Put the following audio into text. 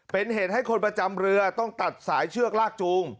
เป็นเหตุให้คนประจำเรือต้องตัดสายเชือกลากจูง